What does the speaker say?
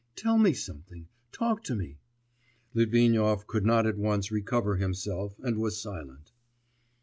Tell me something, talk to me.' Litvinov could not at once recover himself and was silent.